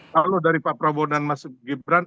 kalau dari pak prabowo dan mas gibran